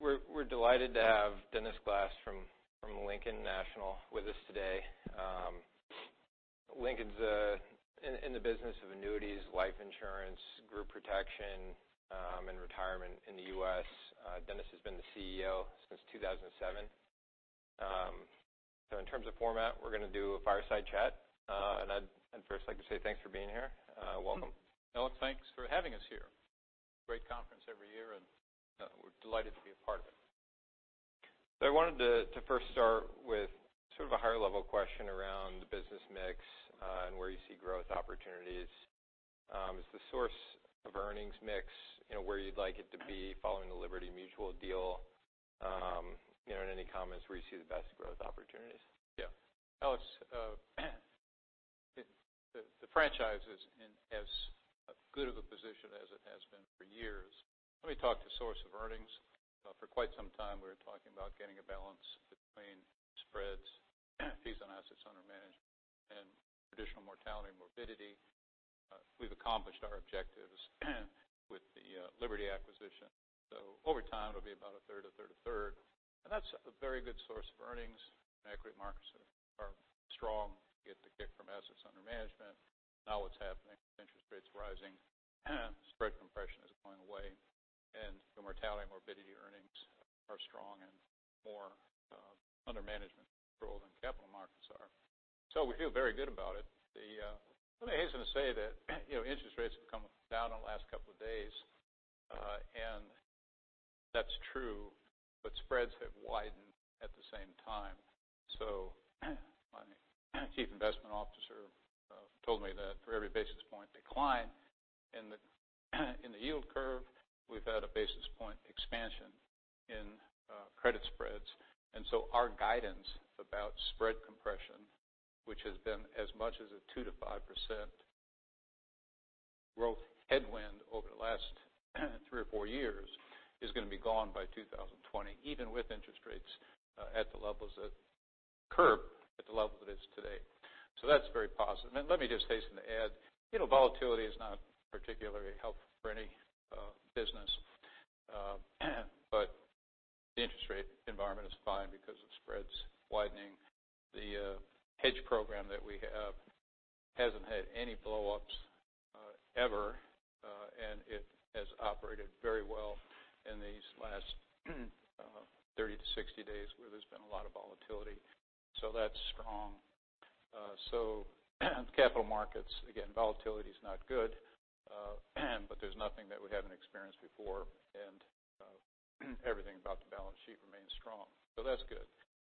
We're delighted to have Dennis Glass from Lincoln National with us today. Lincoln's in the business of annuities, life insurance, group protection, and retirement in the U.S. Dennis has been the CEO since 2007. In terms of format, we're going to do a fireside chat. I'd first like to say thanks for being here. Welcome. Alex, thanks for having us here. Great conference every year, we're delighted to be a part of it. I wanted to first start with sort of a higher level question around the business mix and where you see growth opportunities. Is the source of earnings mix, where you'd like it to be following the Liberty Mutual deal? Any comments where you see the best growth opportunities. Yeah. Alex, the franchise is in as good of a position as it has been for years. Let me talk to source of earnings. For quite some time, we were talking about getting a balance between spreads, fees on assets under management, and traditional mortality and morbidity. We've accomplished our objectives with the Liberty acquisition. Over time, it'll be about a third, a third, a third. That's a very good source of earnings. Equity markets are strong. You get the kick from assets under management. Now what's happening is interest rates rising, spread compression is going away, the mortality and morbidity earnings are strong and more under management control than capital markets are. We feel very good about it. Somebody hasten to say that interest rates have come down in the last couple of days. That's true, but spreads have widened at the same time. My chief investment officer told me that for every basis point decline in the yield curve, we've had a basis point expansion in credit spreads. Our guidance about spread compression, which has been as much as a 2%-5% growth headwind over the last 3 or 4 years, is going to be gone by 2020, even with interest rates at the levels that curb at the level it is today. That's very positive. Let me just hasten to add, volatility is not particularly helpful for any business. The interest rate environment is fine because of spreads widening. The hedge program that we have hasn't had any blowups ever. It has operated very well in these last 30-60 days where there's been a lot of volatility. That's strong. Capital markets, again, volatility is not good. There's nothing that we haven't experienced before, and everything about the balance sheet remains strong. That's good.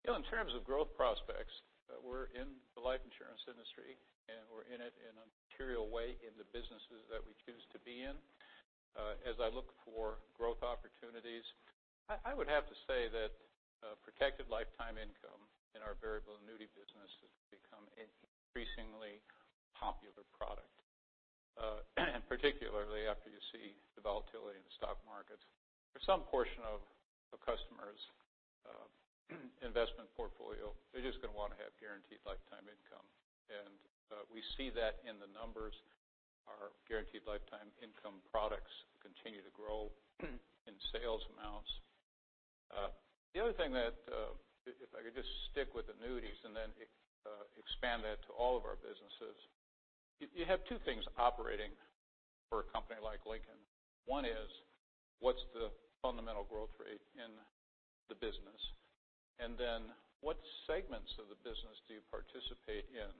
In terms of growth prospects, we're in the life insurance industry, and we're in it in a material way in the businesses that we choose to be in. As I look for growth opportunities, I would have to say that protected lifetime income in our variable annuity business has become an increasingly popular product, particularly after you see the volatility in the stock market. For some portion of a customer's investment portfolio, they're just going to want to have guaranteed lifetime income. We see that in the numbers. Our guaranteed lifetime income products continue to grow in sales amounts. The other thing that, if I could just stick with annuities and then expand that to all of our businesses. You have two things operating for a company like Lincoln. One is what's the fundamental growth rate in the business? What segments of the business do you participate in?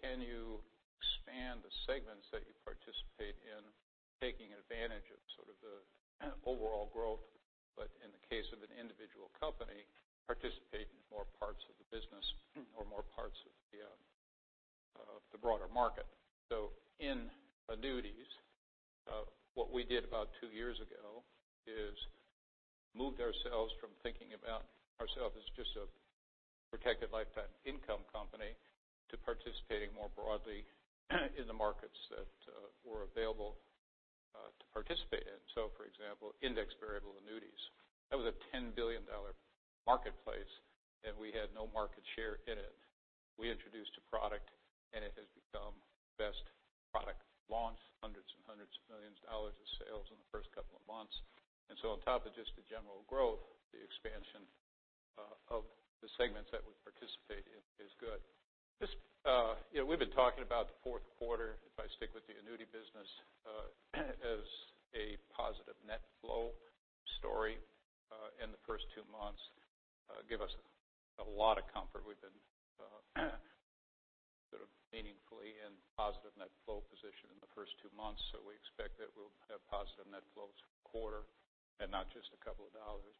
Can you expand the segments that you participate in taking advantage of sort of the overall growth, but in the case of an individual company, participate in more parts of the business or more parts of the broader market. In annuities, what we did about two years ago is moved ourselves from thinking about ourself as just a protected lifetime income company to participating more broadly in the markets that were available to participate in. For example, Index Variable Annuities. That was a $10 billion marketplace, and we had no market share in it. We introduced a product, it has become the best product launch, hundreds of millions of dollars in sales in the first couple of months. On top of just the general growth, the expansion of the segments that we participate in is good. We've been talking about the fourth quarter, if I stick with the annuity business, as a positive net flow story in the first two months. Give us a lot of comfort. We've been sort of meaningfully in positive net flow position in the first two months. We expect that we'll have positive net flows quarter and not just a couple of dollars.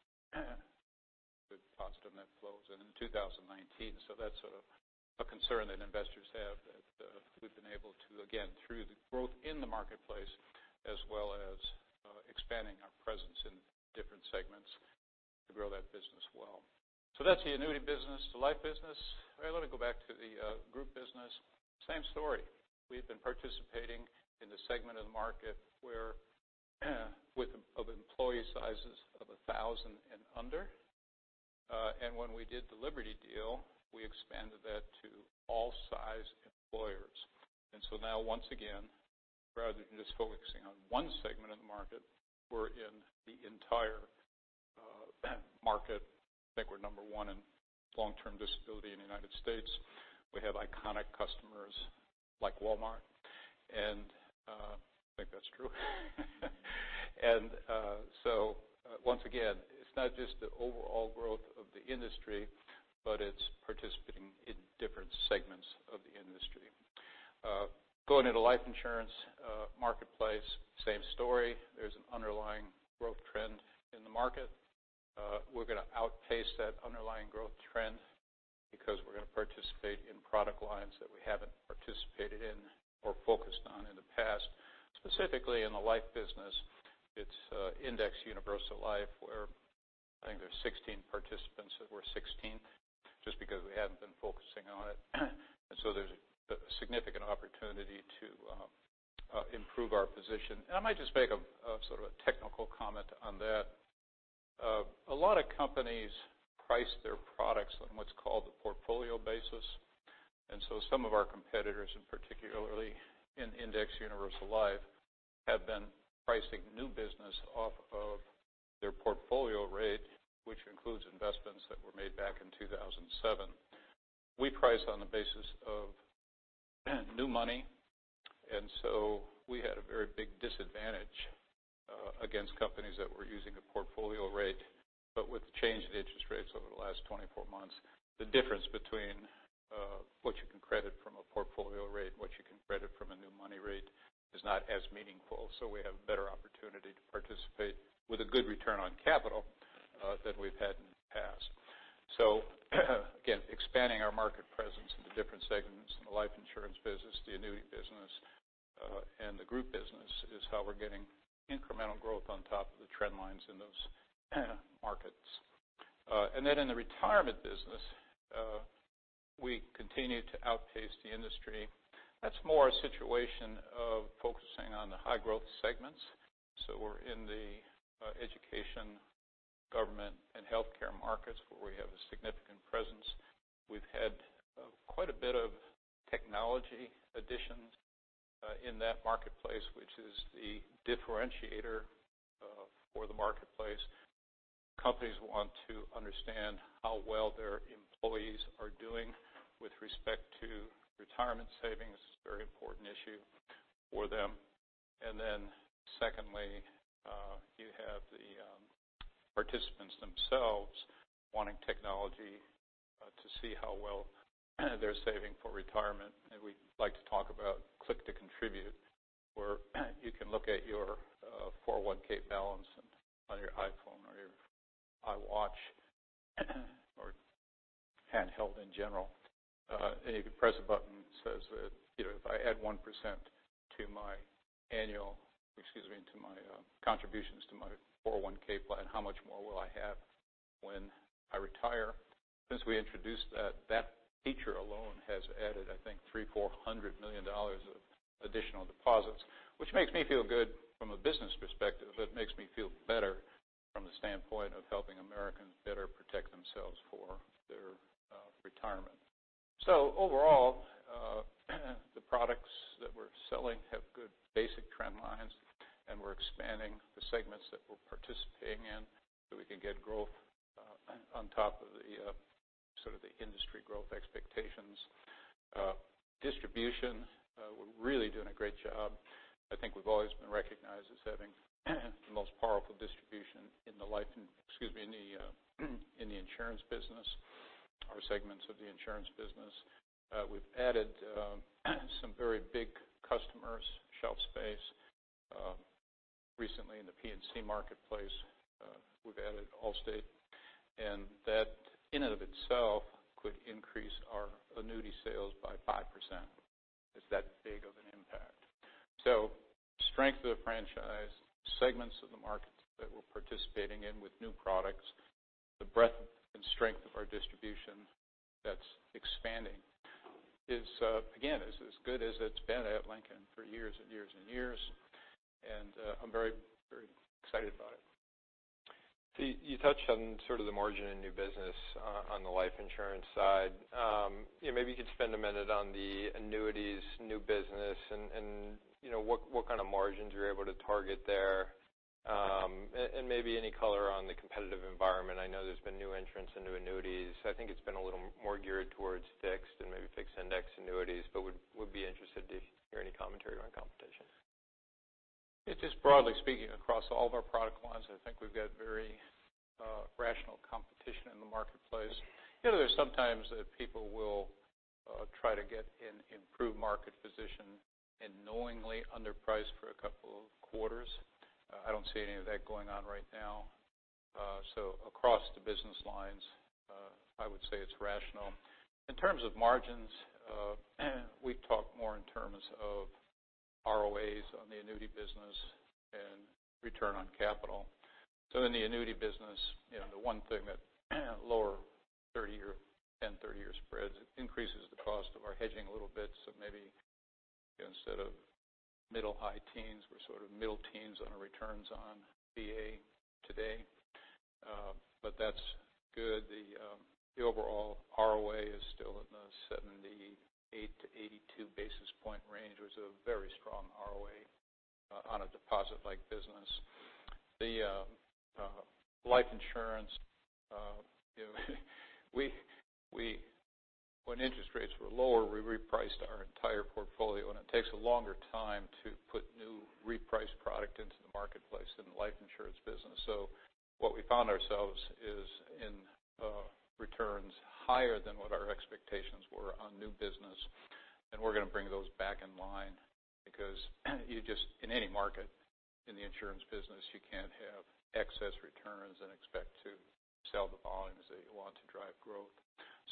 Good positive net flows in 2019. That's a concern that investors have that we've been able to, again, through the growth in the marketplace as well as expanding our presence in different segments to grow that business well. That's the annuity business, the life business. Let me go back to the group business. Same story. We've been participating in the segment of the market of employee sizes of 1,000 and under. When we did the Liberty deal, we expanded that to all size employers. So now once again, rather than just focusing on one segment of the market, we're in the entire market. I think we're number one in Long-Term Disability in the U.S. We have iconic customers like Walmart, and I think that's true. So once again, it's not just the overall growth of the industry, but it's participating in different segments of the industry. Going into life insurance marketplace, same story. There's an underlying growth trend in the market. We're going to outpace that underlying growth trend because we're going to participate in product lines that we haven't participated in or focused on in the past. Specifically, in the life business, it's Indexed Universal Life, where I think there's 16 participants, and we're 16th just because we haven't been focusing on it. So there's a significant opportunity to improve our position. I might just make a sort of technical comment on that. A lot of companies price their products on what's called the portfolio basis. Some of our competitors, and particularly in Indexed Universal Life, have been pricing new business off of their portfolio rate, which includes investments that were made back in 2007. We price on the basis of new money, and so we had a very big disadvantage against companies that were using a portfolio rate. With the change in interest rates over the last 24 months, the difference between what you can credit from a portfolio rate and what you can credit from a new money rate is not as meaningful. So we have a better opportunity to participate with a good return on capital than we've had in the past. So again, expanding our market presence into different segments in the life insurance business, the annuity business, and the group business is how we're getting incremental growth on top of the trend lines in those markets. In the retirement business, we continue to outpace the industry. That's more a situation of focusing on the high growth segments. So we're in the education, government, and healthcare markets where we have a significant presence. We've had quite a bit of technology additions in that marketplace, which is the differentiator for the marketplace. Companies want to understand how well their employees are doing with respect to retirement savings. It's a very important issue for them. Secondly, you have the participants themselves wanting technology to see how well they're saving for retirement. We like to talk about Click to Contribute, where you can look at your 401 balance on your iPhone or your iWatch or handheld in general. You can press a button that says, "If I add 1% to my contributions to my 401 plan, how much more will I have when I retire?" Since we introduced that feature alone has added, I think, $300 million or $400 million of additional deposits, which makes me feel good from a business perspective. It makes me feel better from the standpoint of helping Americans better protect themselves for their retirement. Overall, the products that we're selling have good basic trend lines, and we're expanding the segments that we're participating in so we can get growth on top of the industry growth expectations. Distribution, we're really doing a great job. I think we've always been recognized as having the most powerful distribution in the insurance business, or segments of the insurance business. We've added some very big customers, shelf space. Recently in the P&C marketplace, we've added Allstate, and that in and of itself could increase our annuity sales by 5%. It's that big of an impact. Strength of the franchise, segments of the market that we're participating in with new products, the breadth and strength of our distribution that's expanding is, again, as good as it's been at Lincoln for years and years. I'm very excited about it. You touched on sort of the margin in new business on the life insurance side. Maybe you could spend a minute on the annuities new business and what kind of margins you're able to target there, and maybe any color on the competitive environment. I know there's been new entrants and new annuities. I think it's been a little more geared towards Fixed and maybe Fixed Index Annuities, but would be interested to hear any commentary on competition. Just broadly speaking, across all of our product lines, I think we've got very rational competition in the marketplace. There's some times that people will try to get an improved market position and knowingly underprice for a couple of quarters. I don't see any of that going on right now. Across the business lines, I would say it's rational. In terms of margins, we talk more in terms of ROAs on the annuity business and return on capital. In the annuity business, the one thing that lower 10-, 30-year spreads increases the cost of our hedging a little bit. Maybe instead of middle high teens, we're sort of middle teens on our returns on VA today. That's good. The overall ROA is still in the 78 to 82 basis point range. A very strong ROA on a deposit-like business. The life insurance, when interest rates were lower, we repriced our entire portfolio, it takes a longer time to put new repriced product into the marketplace in the life insurance business. What we found ourselves is in returns higher than what our expectations were on new business. We're going to bring those back in line because, in any market in the insurance business, you can't have excess returns and expect to sell the volumes that you want to drive growth.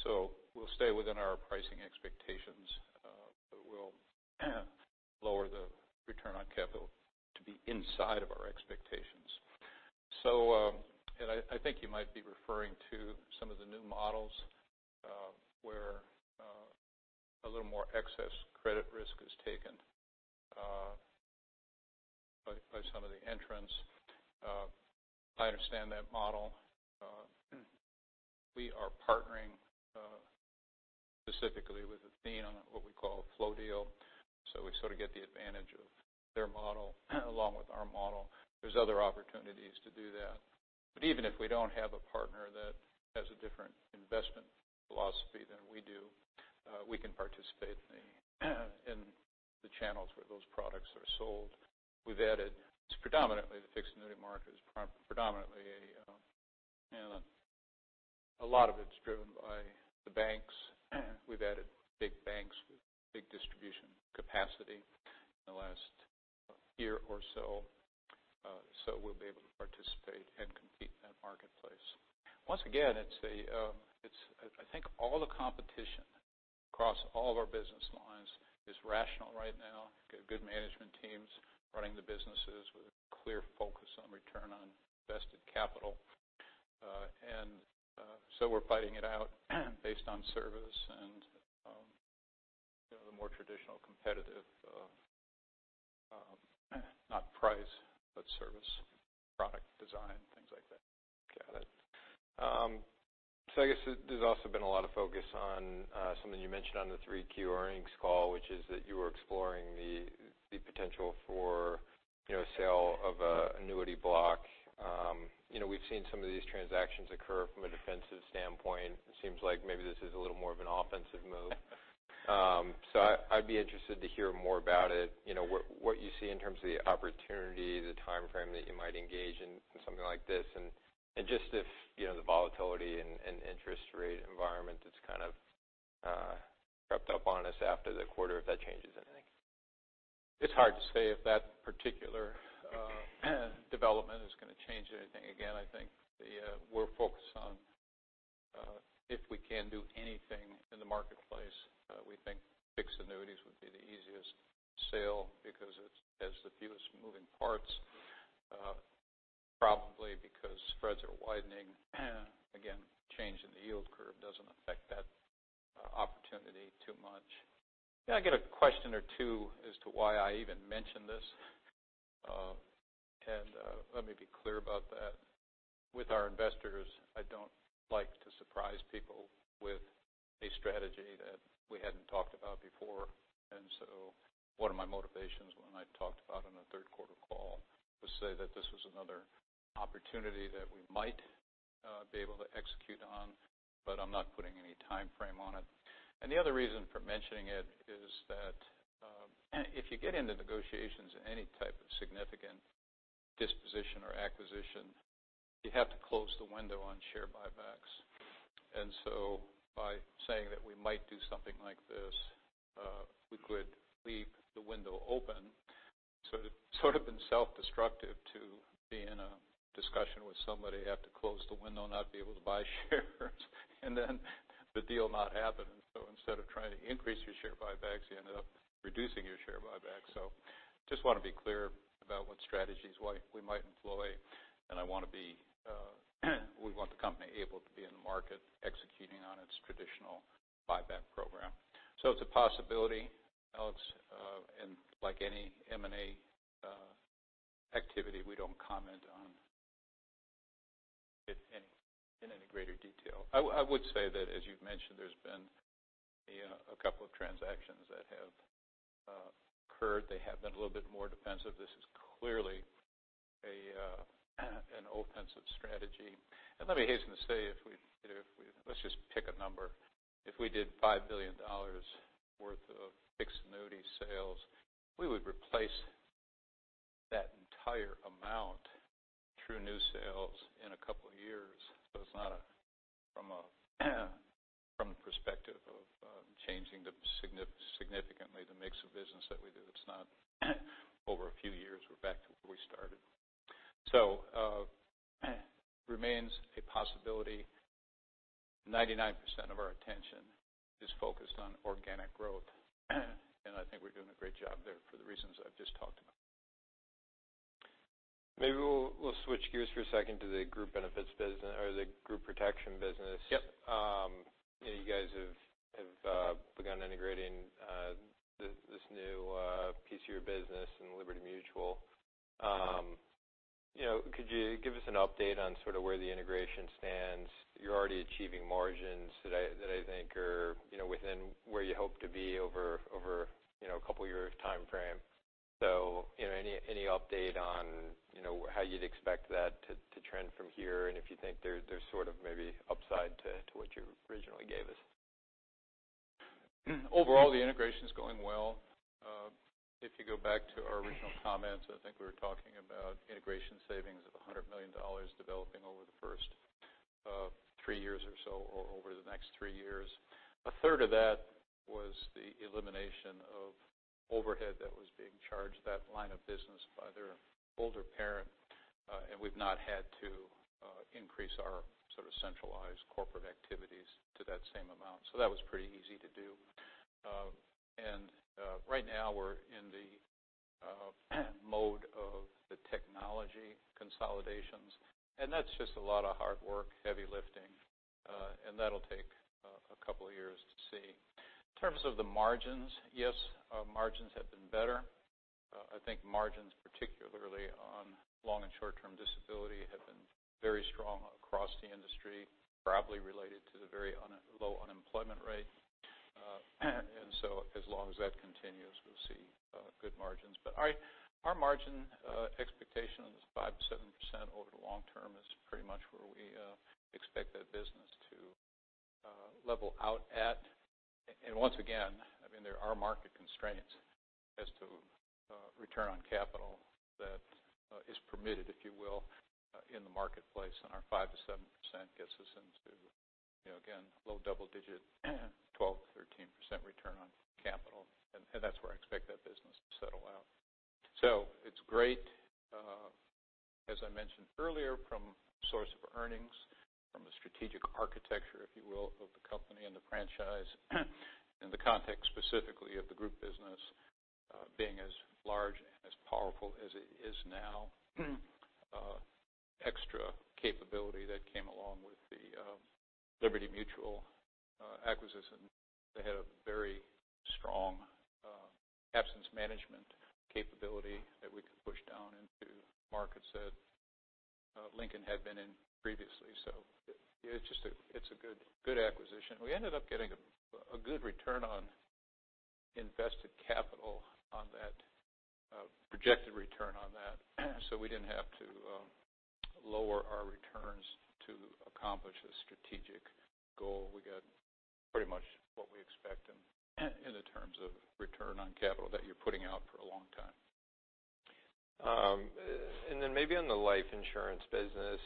We'll stay within our pricing expectations, but we'll lower the return on capital to be inside of our expectations. I think you might be referring to some of the new models where a little more excess credit risk is taken by some of the entrants. I understand that model. We are partnering specifically with Athene on what we call a flow deal. We sort of get the advantage of their model along with our model. There's other opportunities to do that. Even if we don't have a partner that has a different investment philosophy than we do, we can participate in the channels where those products are sold. It's predominantly the Fixed Annuity market. A lot of it's driven by the banks. We've added big banks with big distribution capacity in the last year or so. We'll be able to participate and compete in that marketplace. Once again, I think all the competition across all of our business lines is rational right now. We've got good management teams running the businesses with a clear focus on return on invested capital. We're fighting it out based on service and the more traditional competitive, not price, but service, product design, things like that. Got it. I guess there's also been a lot of focus on something you mentioned on the 3Q earnings call, which is that you were exploring the potential for sale of an annuity block. We've seen some of these transactions occur from a defensive standpoint. It seems like maybe this is a little more of an offensive move. I'd be interested to hear more about it. What you see in terms of the opportunity, the timeframe that you might engage in something like this, and just if the volatility and interest rate environment that's kind of crept up on us after the quarter, if that changes anything. It's hard to say if that particular development is going to change anything. Again, I think we're focused on if we can do anything in the marketplace, we think Fixed Annuities would be the easiest sale because it has the fewest moving parts. Probably because spreads are widening. Again, change in the yield curve doesn't affect that opportunity too much. I get a question or two as to why I even mentioned this. Let me be clear about that. With our investors, I don't like to surprise people with a strategy that we hadn't talked about before. One of my motivations when I talked about it on the third quarter call was say that this was another opportunity that we might be able to execute on, but I'm not putting any timeframe on it. The other reason for mentioning it is that if you get into negotiations in any type of significant disposition or acquisition, you have to close the window on share buybacks. By saying that we might do something like this, we could leave the window open. It'd sort of been self-destructive to be in a discussion with somebody, have to close the window, not be able to buy shares and then the deal not happen. Instead of trying to increase your share buybacks, you ended up reducing your share buyback. Just want to be clear about what strategies we might employ. We want the company able to be in the market executing on its traditional buyback program. It's a possibility, Alex, like any M&A activity, we don't comment on it in any greater detail. I would say that, as you've mentioned, there's been a couple of transactions that have occurred. They have been a little bit more defensive. This is clearly an offensive strategy. Let me hasten to say, let's just pick a number. If we did $5 billion worth of Fixed Annuity sales, we would replace that entire amount through new sales in a couple of years. From the perspective of changing significantly the mix of business that we do, over a few years, we're back to where we started. Remains a possibility. 99% of our attention is focused on organic growth. I think we're doing a great job. Maybe we'll switch gears for a second to the group benefits business or the group protection business. Yep. You guys have begun integrating this new piece of your business in Liberty Mutual. Could you give us an update on sort of where the integration stands? You're already achieving margins that I think are within where you hope to be over a couple of years timeframe. Any update on how you'd expect that to trend from here, and if you think there's sort of maybe upside to what you originally gave us? Overall, the integration's going well. If you go back to our original comments, I think we were talking about integration savings of $100 million developing over the first three years or so, or over the next three years. A third of that was the elimination of overhead that was being charged, that line of business by their older parent, and we've not had to increase our sort of centralized corporate activities to that same amount. That was pretty easy to do. Right now, we're in the mode of the technology consolidations, and that's just a lot of hard work, heavy lifting. That'll take a couple of years to see. In terms of the margins, yes, margins have been better. I think margins, particularly on Long-Term Disability and Short-Term Disability, have been very strong across the industry, probably related to the very low unemployment rate. As long as that continues, we'll see good margins. Our margin expectation of 5% to 7% over the long term is pretty much where we expect that business to level out at. Once again, there are market constraints as to return on capital that is permitted, if you will, in the marketplace. Our 5% to 7% gets us into, again, low double digit, 12% to 13% return on capital, and that's where I expect that business to settle out. It's great, as I mentioned earlier, from source of earnings, from the strategic architecture, if you will, of the company and the franchise, and the context specifically of the group business being as large and as powerful as it is now. Extra capability that came along with the Liberty Mutual acquisition. They had a very strong absence management capability that we could push down into markets that Lincoln had been in previously. It's a good acquisition. We ended up getting a good return on invested capital on that projected return on that, so we didn't have to lower our returns to accomplish the strategic goal. We got pretty much what we expect in the terms of return on capital that you're putting out for a long time. Maybe on the life insurance business.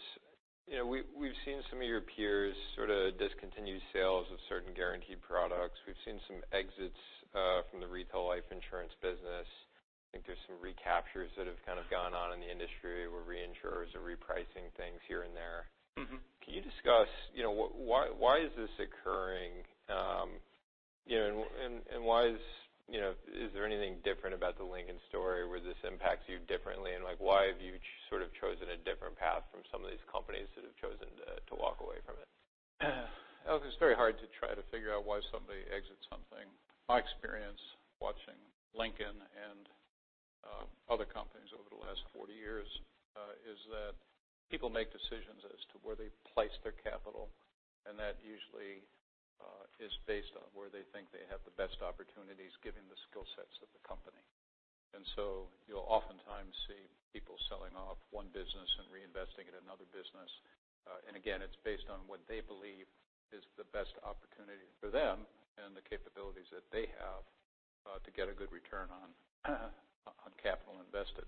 We've seen some of your peers sort of discontinue sales of certain guaranteed products. We've seen some exits from the retail life insurance business. I think there's some recaptures that have kind of gone on in the industry where reinsurers are repricing things here and there. Can you discuss why is this occurring? Is there anything different about the Lincoln story where this impacts you differently, and why have you sort of chosen a different path from some of these companies that have chosen to walk away from it? It's very hard to try to figure out why somebody exits something. My experience watching Lincoln and other companies over the last 40 years, is that people make decisions as to where they place their capital, that usually is based on where they think they have the best opportunities given the skill sets of the company. You'll oftentimes see people selling off one business and reinvesting in another business. Again, it's based on what they believe is the best opportunity for them and the capabilities that they have to get a good return on capital invested.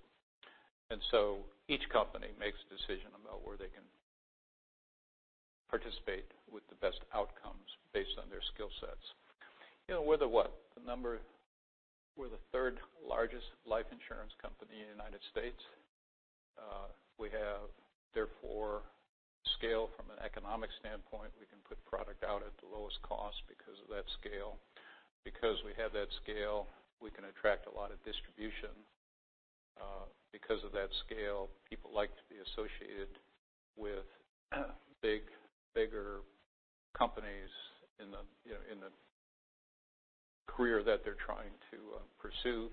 Each company makes a decision about where they can participate with the best outcomes based on their skill sets. We're the what? The third largest life insurance company in the United States. We have therefore scale from an economic standpoint. We can put product out at the lowest cost because of that scale. Because we have that scale, we can attract a lot of distribution. Because of that scale, people like to be associated with bigger companies in the career that they're trying to pursue.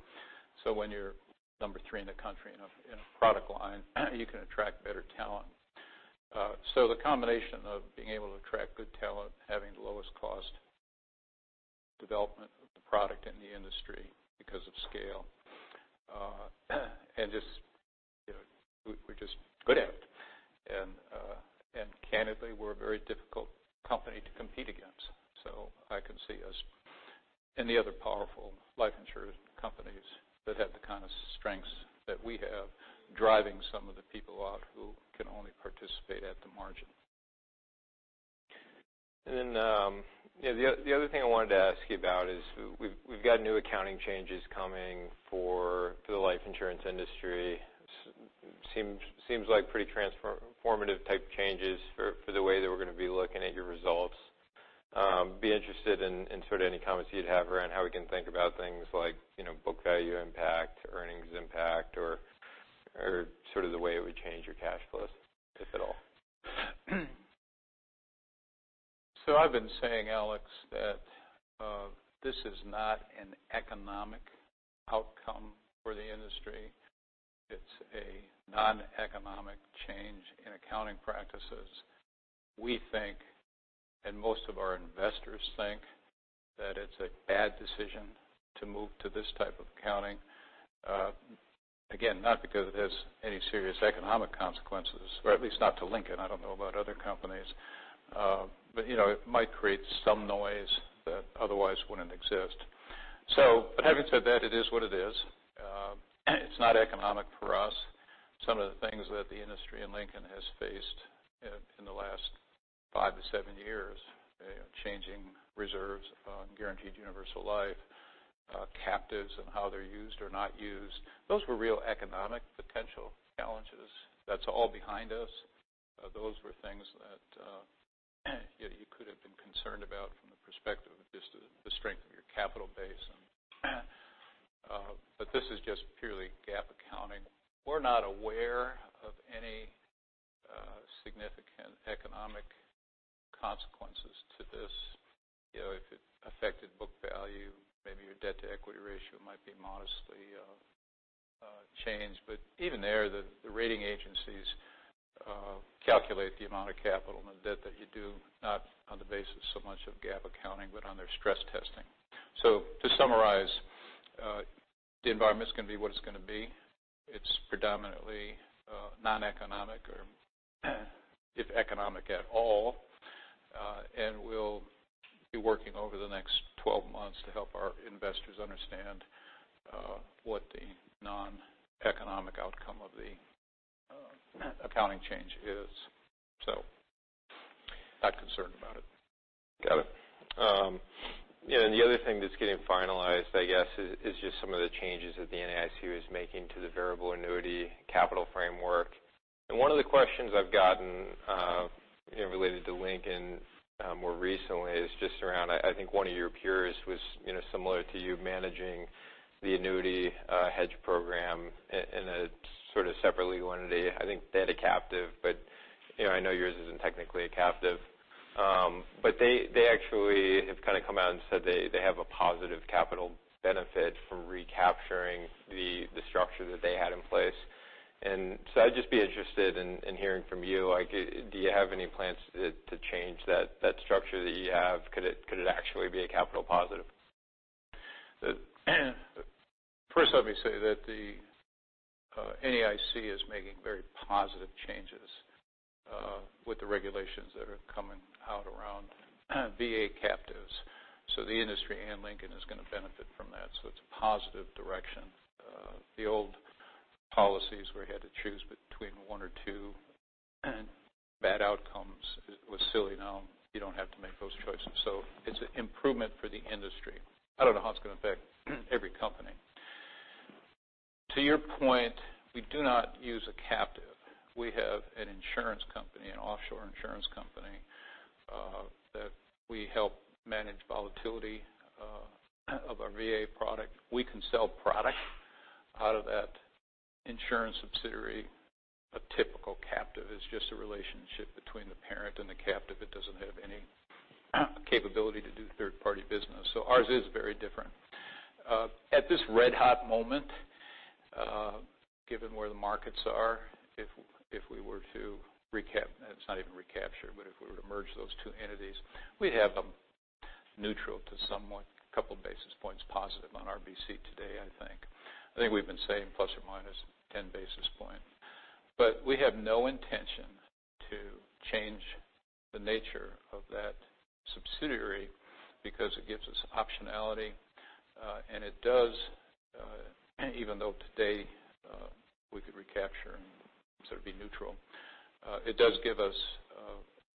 When you're number three in the country in a product line, you can attract better talent. The combination of being able to attract good talent, having the lowest cost development of the product in the industry because of scale, and we're just good at it. Candidly, we're a very difficult company to compete against. I can see us and the other powerful life insurance companies that have the kind of strengths that we have driving some of the people out who can only participate at the margin. The other thing I wanted to ask you about is we've got new accounting changes coming for the life insurance industry. Seems like pretty transformative type changes for the way that we're going to be looking at your results. I'd be interested in any comments you'd have around how we can think about things like book value impact, earnings impact, or the way it would change your cash flow, if at all. I've been saying, Alex, that this is not an economic outcome for the industry. It's a non-economic change in accounting practices. We think, and most of our investors think, that it's a bad decision to move to this type of accounting. Again, not because it has any serious economic consequences, or at least not to Lincoln, I don't know about other companies. It might create some noise that otherwise wouldn't exist. Having said that, it is what it is. It's not economic for us. Some of the things that the industry and Lincoln has faced in the last five to seven years, changing reserves on Guaranteed Universal Life, captives and how they're used or not used, those were real economic potential challenges. That's all behind us. Those were things that you could have been concerned about from the perspective of just the strength of your capital base. This is just purely GAAP accounting. We're not aware of any significant economic consequences to this. If it affected book value, maybe your debt-to-equity ratio might be modestly changed. Even there, the rating agencies calculate the amount of capital and the debt that you do, not on the basis so much of GAAP accounting, but on their stress testing. To summarize, the environment's going to be what it's going to be. It's predominantly non-economic or if economic at all. We'll be working over the next 12 months to help our investors understand what the non-economic outcome of the accounting change is. Not concerned about it. Got it. The other thing that's getting finalized, I guess, is just some of the changes that the NAIC is making to the variable annuity capital framework. One of the questions I've gotten related to Lincoln more recently is just around, I think one of your peers who is similar to you, managing the annuity hedge program in a sort of separately wanted, I think they had a captive, but I know yours isn't technically a captive. They actually have kind of come out and said they have a positive capital benefit from recapturing the structure that they had in place. I'd just be interested in hearing from you, do you have any plans to change that structure that you have? Could it actually be a capital positive? First, let me say that the NAIC is making very positive changes with the regulations that are coming out around VA captives. The industry and Lincoln is going to benefit from that. It's a positive direction. The old policies where you had to choose between one or two bad outcomes was silly. Now you don't have to make those choices. It's an improvement for the industry. I don't know how it's going to affect every company. To your point, we do not use a captive. We have an insurance company, an offshore insurance company, that we help manage volatility of our VA product. We can sell product out of that insurance subsidiary. A typical captive is just a relationship between the parent and the captive. It doesn't have any capability to do third-party business. Ours is very different. At this red hot moment, given where the markets are, if we were to recap, it's not even recapture, but if we were to merge those two entities, we'd have a neutral to somewhat couple basis points positive on RBC today, I think. I think we've been saying plus or minus 10 basis points. We have no intention to change the nature of that subsidiary because it gives us optionality. It does, even though today we could recapture and sort of be neutral, it does give us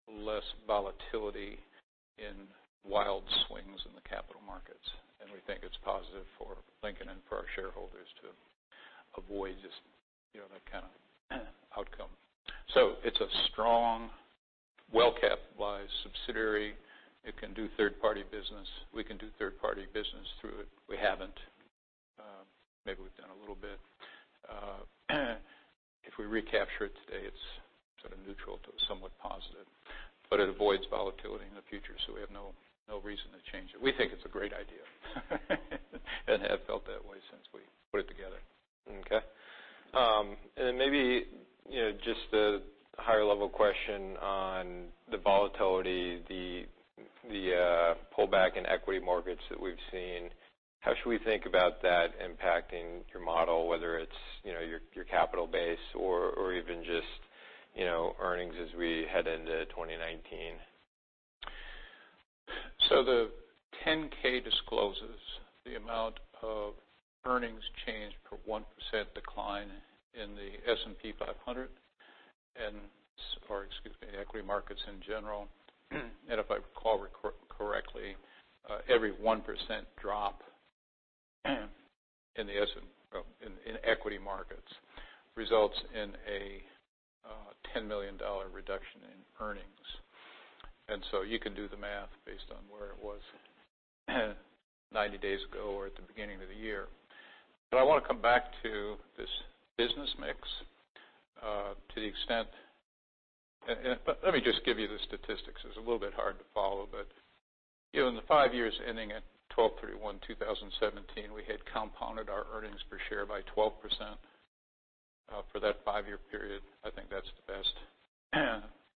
less volatility in wild swings in the capital markets, and we think it's positive for Lincoln and for our shareholders to avoid just that kind of outcome. It's a strong, well-capitalized subsidiary. It can do third-party business. We can do third-party business through it. We haven't. Maybe we've done a little bit. If we recapture it today, it's sort of neutral to somewhat positive, but it avoids volatility in the future, so we have no reason to change it. We think it's a great idea. Have felt that way since we put it together. Okay. Maybe just a higher level question on the volatility, the pullback in equity mortgage that we've seen. How should we think about that impacting your model, whether it's your capital base or even just earnings as we head into 2019? The 10K discloses the amount of earnings change per 1% decline in the S&P 500 or excuse me, equity markets in general. If I recall correctly, every 1% drop in equity markets results in a $10 million reduction in earnings. You can do the math based on where it was 90 days ago or at the beginning of the year. I want to come back to this business mix to the extent Let me just give you the statistics. It's a little bit hard to follow, but in the five years ending at 12/31/2017, we had compounded our earnings per share by 12% for that five-year period. I think that's the best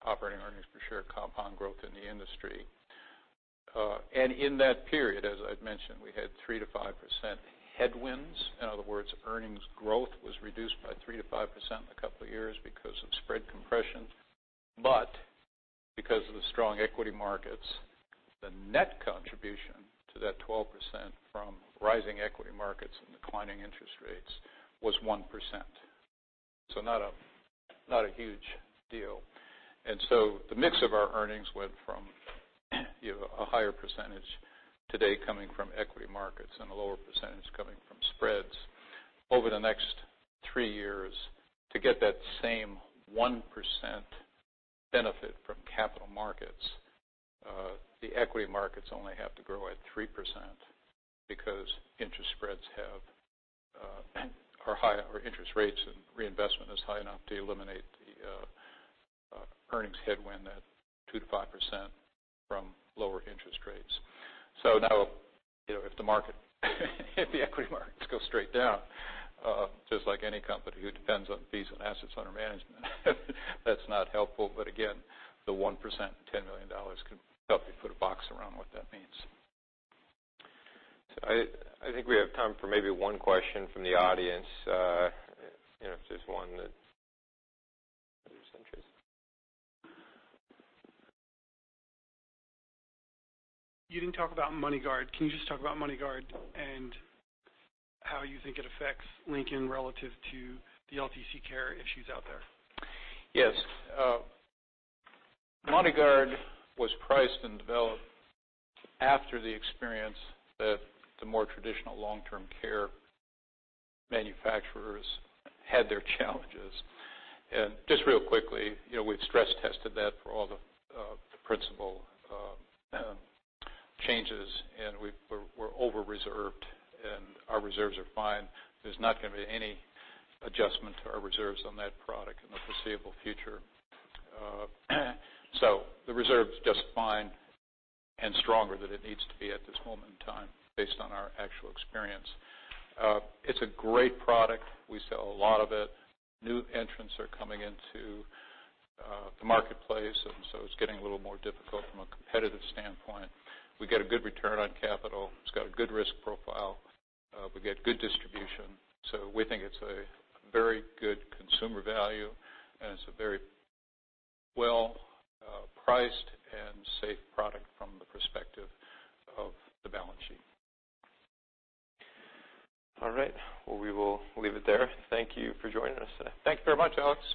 operating earnings per share compound growth in the industry. In that period, as I've mentioned, we had 3%-5% headwinds. In other words, earnings growth was reduced by 3% to 5% in a couple of years because of spread compression. Because of the strong equity markets, the net contribution to that 12% from rising equity markets and declining interest rates was 1%. Not a huge deal. The mix of our earnings went from a higher percentage today coming from equity markets and a lower percentage coming from spreads. Over the next 3 years, to get that same 1% benefit from capital markets, the equity markets only have to grow at 3% because interest rates and reinvestment is high enough to eliminate the earnings headwind at 2% to 5% from lower interest rates. Now, if the equity markets go straight down, just like any company who depends on fees and assets under management, that's not helpful. Again, the 1% and $10 million can help you put a box around what that means. I think we have time for maybe one question from the audience. If there's one that others are interested. You didn't talk about MoneyGuard. Can you just talk about MoneyGuard and how you think it affects Lincoln relative to the LTC care issues out there? Yes. MoneyGuard was priced and developed after the experience that the more traditional long-term care manufacturers had their challenges. Just real quickly, we've stress tested that for all the principal changes, and we're over-reserved, and our reserves are fine. There's not going to be any adjustment to our reserves on that product in the foreseeable future. The reserve's just fine and stronger than it needs to be at this moment in time based on our actual experience. It's a great product. We sell a lot of it. New entrants are coming into the marketplace, and so it's getting a little more difficult from a competitive standpoint. We get a good return on capital. It's got a good risk profile. We get good distribution. We think it's a very good consumer value, and it's a very well-priced and safe product from the perspective of the balance sheet. All right. Well, we will leave it there. Thank you for joining us. Thank you very much, Alex.